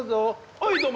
はいどうぞ。